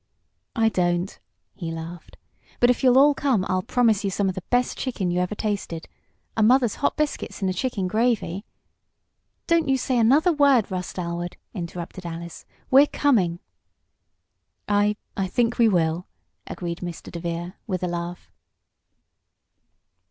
"I don't," he laughed. "But if you'll all come I'll promise you some of the best chicken you ever tasted. And mother's hot biscuits in the chicken gravy " "Don't you say another word, Russ Dalwood!" interrupted Alice. "We're coming!" "I I think we will," agreed Mr. DeVere, with a laugh.